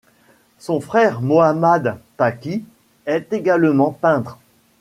Son frère Mohammad Taki est également peintre.